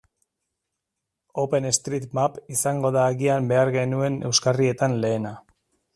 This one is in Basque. OpenStreetMap izango da agian behar genuen euskarrietan lehena.